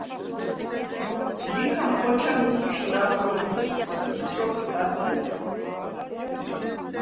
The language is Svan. ჟიქან ხოჩა მუსვიშ ნაკ როქ ლი: “სსჷს” როქ იკად ბიქვ.